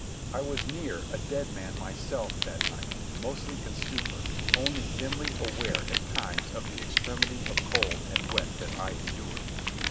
I was near a dead man myself, that night, mostly in stupor, only dimly aware at times of the extremity of cold and wet that I endured.